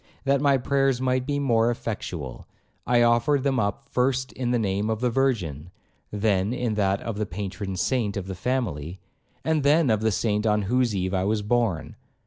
That my prayers might be more effectual, I offered them up first in the name of the Virgin, then in that of the Patron saint of the family, and then of the Saint on whose eve I was born.